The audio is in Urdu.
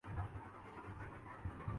کیونکہ اس طرح سے شعور گرفت کم ہو ج ہے